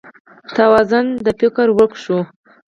توازون د فکر ورک شو